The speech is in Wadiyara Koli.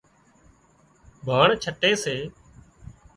ڀاڻ ڇٽي سي